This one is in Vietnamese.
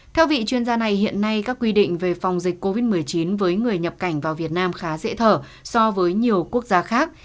theo vị chuyên gia này hiện nay các quy định về phòng dịch covid một mươi chín với người nhập cảnh vào việt nam khá dễ thở so với nhiều quốc gia khác